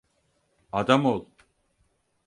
Adam ol.